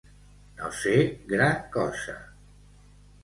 No ser gran cosa.